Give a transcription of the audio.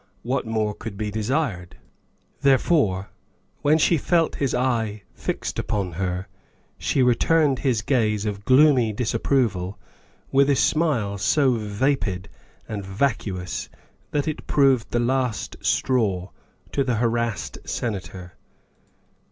What more could be desired? Therefore, when she felt his eye fixed upon her she returned his gaze of THE SECRETARY OF STATE 99 gloomy disapproval with a smile so vapid and vacuous that it proved the last straw to the harassed Senator.